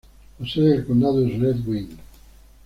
La sede de condado es Red Wing.